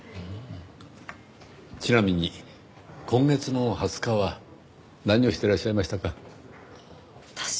ちなみに今月の２０日は何をしてらっしゃいましたか？